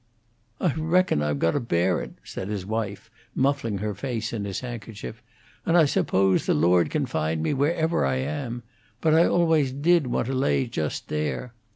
"I reckon I got to bear it," said his wife, muffling her face in his handkerchief. "And I suppose the Lord kin find me, wherever I am. But I always did want to lay just there.